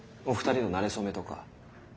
お２人のなれそめとか。